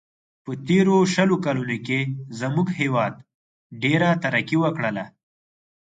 په تېرو شلو کلونو کې زموږ هیواد ډېره ترقي و کړله.